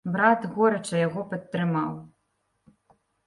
Брат горача яго падтрымаў.